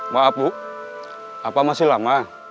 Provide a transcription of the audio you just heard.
maaf bu apa masih lama